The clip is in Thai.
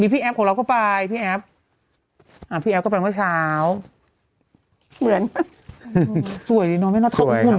มีพี่แอซของเราเข้าไปพี่แอซเข้าไปเมื่อเช้า